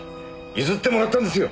譲ってもらったんですよ！